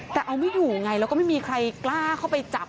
แต่เอาไม่อยู่ไงแล้วก็ไม่มีใครกล้าเข้าไปจับ